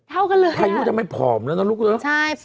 เท่ากันเลยอ่ะภายุทำไมผอมนะน้องลูกเจ้าใช่